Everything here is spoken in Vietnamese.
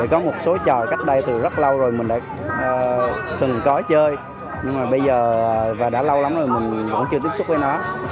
có một số trò cách đây từ rất lâu rồi mình đã từng có chơi nhưng mà bây giờ và đã lâu lắm rồi mình vẫn chưa tiếp xúc với nó